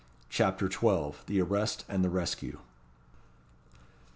CHAPTER XII. The Arrest and the Rescue.